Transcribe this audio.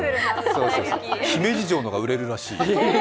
姫路城のが売れるらしい。